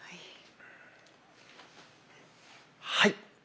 はい！